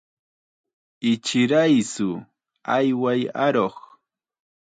Ichiraytsu, ayway aruq.